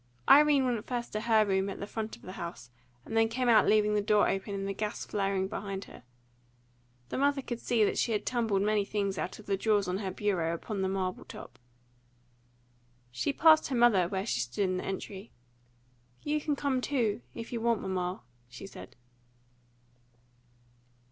Irene went first to her own room at the front of the house, and then came out leaving the door open and the gas flaring behind her. The mother could see that she had tumbled many things out of the drawers of her bureau upon the marble top. She passed her mother, where she stood in the entry. "You can come too, if you want to, mamma," she said.